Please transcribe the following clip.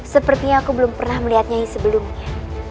sepertinya aku belum pernah melihat nyai sebelumnya